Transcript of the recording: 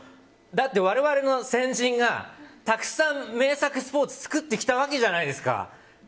だって我々の先人がたくさん名作スポーツ作ってきたわけじゃないですか。